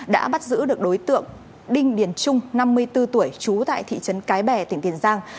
đã bắt giữ được đối tượng đinh điền trung năm mươi bốn tuổi trú tại thị trấn cái bè tỉnh tiền giang